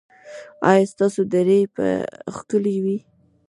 ایا ستاسو درې به ښکلې وي؟